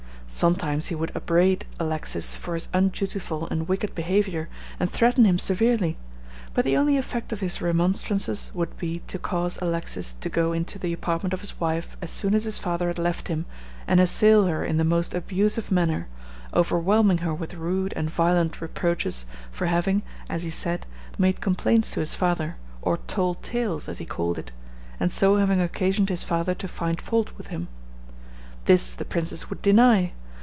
Sometimes he would upbraid Alexis for his undutiful and wicked behavior, and threaten him severely; but the only effect of his remonstrances would be to cause Alexis to go into the apartment of his wife as soon as his father had left him, and assail her in the most abusive manner, overwhelming her with rude and violent reproaches for having, as he said, made complaints to his father, or "told tales," as he called it, and so having occasioned his father to find fault with him. This the princess would deny.